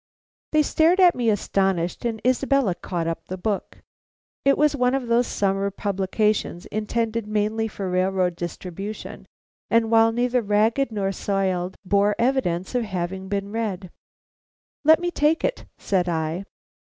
They stared at me astonished, and Isabella caught up the book. It was one of those summer publications intended mainly for railroad distribution, and while neither ragged nor soiled, bore evidence of having been read. "Let me take it," said I.